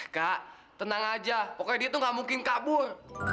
kak tenang aja pokoknya dia itu nggak mungkin kabur